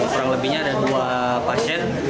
kurang lebihnya ada dua pasien